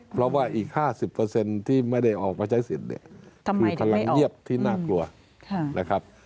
เพราะว่าอีก๕๐ที่ไม่ได้ออกมาใช้สิทธิ์เนี่ยคือพลังเงียบที่น่ากลัวนะครับ